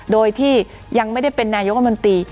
โดยที่ยังไม่ได้เป็นนายกรมนตรี